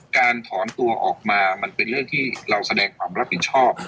การถอนตัวออกมามันเป็นเรื่องที่เราแสดงความรับผิดชอบ